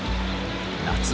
夏